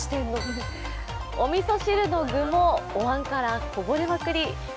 お味噌汁の具もお碗からこぼれまくり。